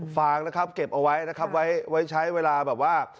ฟางนะครับเก็บเอาไว้นะครับไว้ใช้เวลาแบบว่า